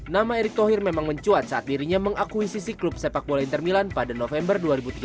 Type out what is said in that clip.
nama erick thohir memang mencuat saat dirinya mengakuisisi klub sepak bola inter milan pada november dua ribu tiga belas